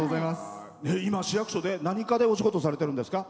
市役所で、何課でお仕事されているんですか？